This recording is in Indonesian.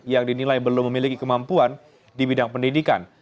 yang dinilai belum memiliki kemampuan di bidang pendidikan